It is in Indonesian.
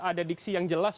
ada diksi yang jelas